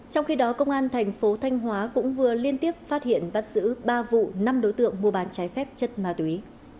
trong khi đó công an thành phố thanh hóa cũng vừa liên tiếp phát hiện bắt giữ ba vụ năm đối tượng mua bán trái phép chất ma túy